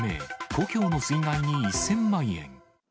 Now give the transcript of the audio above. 故郷の水害に１０００万円。